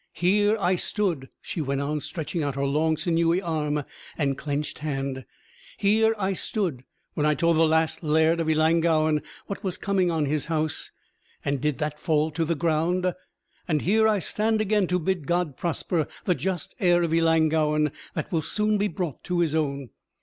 Here I stood," she went on, stretching out her long sinewy arm and clenched hand "here I stood when I told the last Laird of Ellangowan what was coming on his house, and did that fall to the ground? And here I stand again to bid God prosper the just heir of Ellangowan that will soon be brought to his own.